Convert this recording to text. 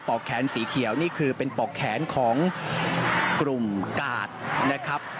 อกแขนสีเขียวนี่คือเป็นปอกแขนของกลุ่มกาดนะครับ